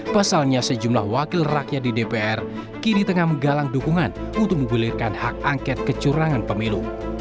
pasalnya sejumlah wakil rakyat di dpr kini tengah menggalang dukungan untuk menggulirkan hak angket kecurangan pemilu